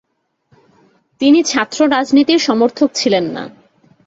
তিনি ছাত্র রাজনীতির সমর্থক ছিলেন না।